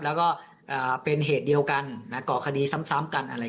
แล้วก็อ่าเป็นเหตุเดียวกันน่ะก่อคดีซ้ำซ้ำกันอะไร